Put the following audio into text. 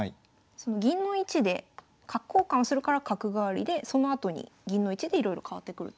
その銀の位置で角交換するから角換わりでそのあとに銀の位置でいろいろ変わってくると。